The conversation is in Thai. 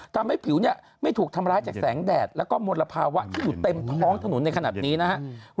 ทำให้ผิวเนี่ยไม่ถูกทำร้ายจากแสงแดดแล้วก็มลภาวะที่อยู่เต็มท้องถนนในขณะนี้นะครับ